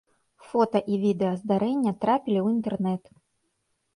Фота і відэа здарэння трапілі ў інтэрнэт.